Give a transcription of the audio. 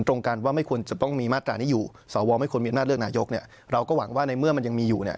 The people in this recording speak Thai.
สวไม่ควรมีอำนาจเลือกนายกเนี่ยเราก็หวังว่าในเมื่อมันยังมีอยู่เนี่ย